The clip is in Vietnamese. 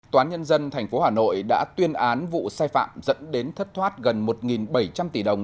tòa án nhân dân tp hà nội đã tuyên án vụ sai phạm dẫn đến thất thoát gần một bảy trăm linh tỷ đồng